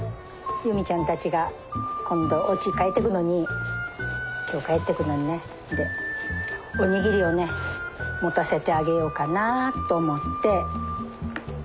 ユミちゃんたちが今度おうち帰ってくのに今日帰ってくのにねでお握りをね持たせてあげようかなと思って。